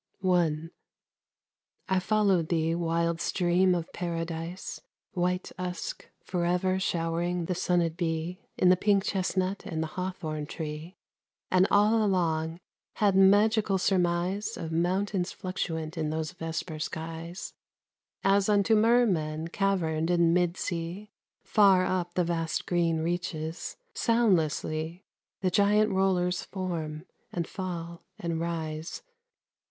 _ I. I followed thee, wild stream of Paradise, White Usk, forever showering the sunned bee In the pink chestnut and the hawthorn tree; And, all along, had magical surmise Of mountains fluctuant in those vesper skies, As unto mermen, caverned in mid sea, Far up the vast green reaches, soundlessly The giant rollers form, and fall, and rise.